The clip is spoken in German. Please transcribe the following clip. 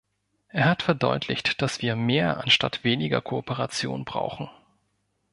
Er hat verdeutlicht, dass wir mehr anstatt weniger Kooperation brauchen.